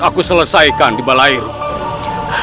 aku selesaikan di balai rumah